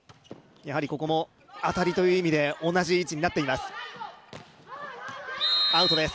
ここも当たりという意味で同じ位置になっています。